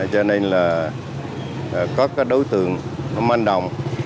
cho nên là có các đối tượng có manh đồng